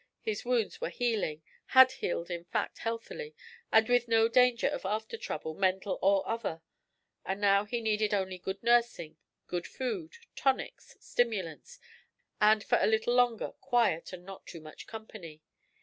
His wounds were healing, had healed in fact healthily, and with no danger of after trouble, mental or other; and now he needed only good nursing, good food, tonics, stimulants, and for a little longer quiet and not too much company.